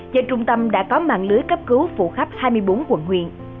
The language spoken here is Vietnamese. và trung tâm đã có mạng lưới cấp cứu phụ khắp hai mươi bốn quận huyện